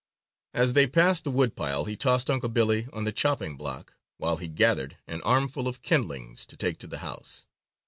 As they passed the woodpile, he tossed Unc' Billy on the chopping block while he gathered an armful of kindlings to take to the house.